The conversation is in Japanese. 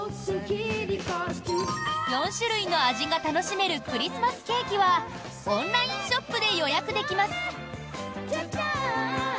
４種類の味が楽しめるクリスマスケーキはオンラインショップで予約できます。